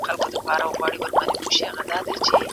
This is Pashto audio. خپلي جامې په صابون سره ومینځئ.